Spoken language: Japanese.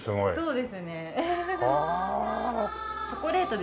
そうです。